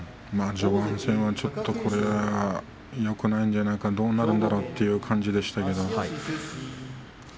序盤は、ちょっとこれはよくないんじゃないかどうなるんだろうという感じでしたけども。